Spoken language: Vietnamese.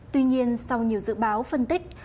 tuy nhiên sau nhiều dự báo phân tích